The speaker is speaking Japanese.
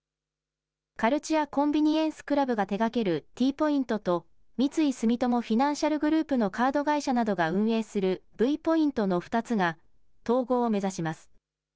カルチュア・コンビニエンス・クラブが手掛けるＴポイントと、三井住友フィナンシャルグループのカード会社などが運営するＶポイントの２つが、統合を目指します。